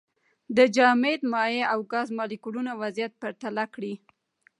د جامد، مایع او ګاز مالیکولونو وضعیت پرتله کړئ.